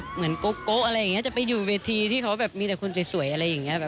เหมือนโก๊ะจะไปอยู่เวทีที่เขามีแต่คุณสวยอะไรอย่างนี้